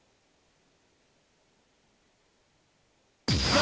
あ！